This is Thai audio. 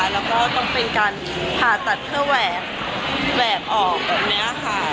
แล้วก็ต้องเป็นการผ่าตัดเพื่อแหวกแหวกออกแบบนี้ค่ะ